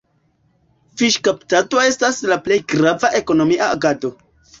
Fiŝkaptado estas la plej grava ekonomia agado.